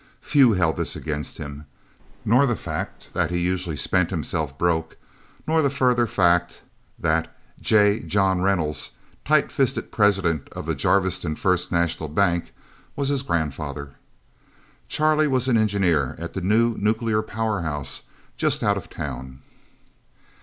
Few held this against him, nor the fact that he usually spent himself broke, nor the further fact that J. John Reynolds, tight fisted president of the Jarviston First National Bank, was his grandfather. Charlie was an engineer at the new nuclear powerhouse, just out of town.